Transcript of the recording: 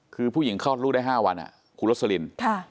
คือผู้หญิงคลอดลูกได้๕วันคุณรสลิน